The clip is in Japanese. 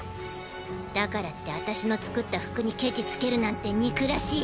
だからって私の作った服にケチつけるなんて憎らしい。